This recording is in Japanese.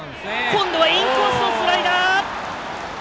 今度はインコースのスライダー！